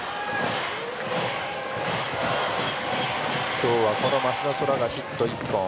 今日は増田空がヒット１本。